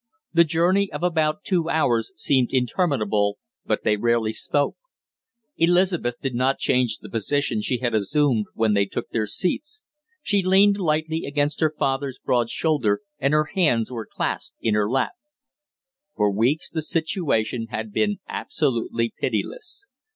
The journey of about two hours seemed interminable, but they rarely spoke. Elizabeth did not change the position she had assumed when they took their seats. She leaned lightly against her father's broad shoulder and her hands were clasped in her lap. For weeks the situation had been absolutely pitiless.